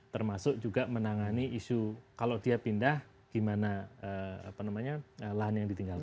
termasuk juga menangani isu kalau dia pindah gimana lahan yang ditinggalkan